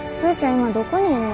今どこにいんの？